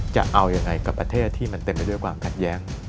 จะเอายังไงกับประเทศที่มันเต็มไปด้วยความขัดแย้ง